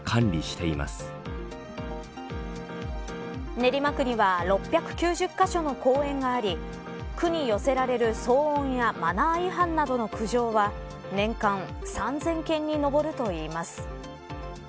練馬区には６９０カ所の公園があり区に寄せられる騒音やマナー違反などの苦情は年間３０００件に上るといいます。